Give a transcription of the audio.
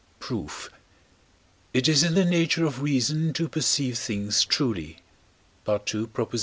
Proof. It is in the nature of reason to perceive things truly (II.